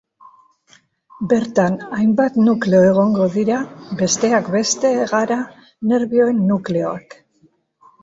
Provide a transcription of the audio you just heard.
Bertan hainbat nukleo egongo dira, besteak beste gara nerbioen nukleoak.